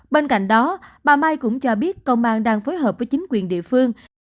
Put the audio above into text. bên cạnh đó bà mai cũng cho biết công an đang phối hợp với chính quyền địa phương